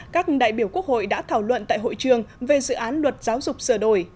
các đại biểu quốc hội đã thảo luận tại hội trường về dự án luật giáo dục sửa đổi